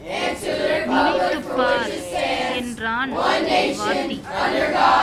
நினைத்துப் பார் என்றான் வாத்தி.